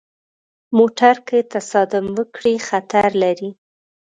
موټر که تصادم وکړي، خطر لري.